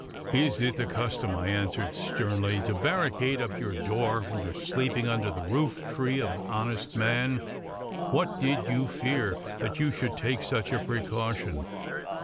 'Is it the custom,' I answered sternly, 'to barricade up your door when you are sleeping under the roof tree of an honest man? What did you fear, that you should take such a precaution?